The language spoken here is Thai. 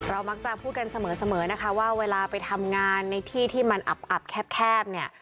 มักจะพูดกันเสมอนะคะว่าเวลาไปทำงานในที่ที่มันอับแคบเนี่ย